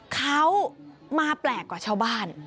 เขามาแปลกกว่าชาวบ้าน